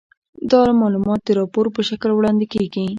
دا معلومات د راپور په شکل وړاندې کیږي.